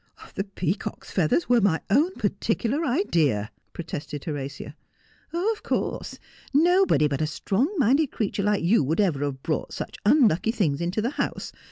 ' The peacocks' feathers were my own particular idea,' pro tested Horatia. ' Of course. Nobody but a strong minded creature like you would ever have brought such unlucky things into the house.